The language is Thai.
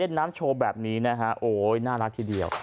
น้ำโชว์แบบนี้นะฮะโอ๊ยน่ารักทีเดียว